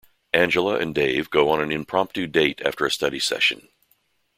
Angela and Dave go on an impromptu date after a study session.